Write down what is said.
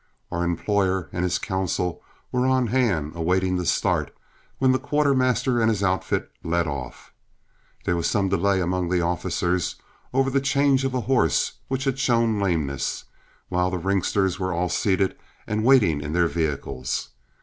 Our employer and his counsel were on hand, awaiting the start, when the quartermaster and his outfit led off. There was some delay among the officers over the change of a horse, which had shown lameness, while the ringsters were all seated and waiting in their vehicles.